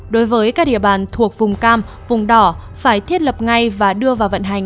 đối với các địa bàn thuộc vùng cam vùng đỏ phải thiết lập ngay và đưa vào vận hành